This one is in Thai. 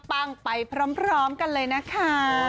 ไปพร้อมกันเลยนะคะ